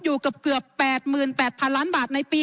อยู่กับเกือบ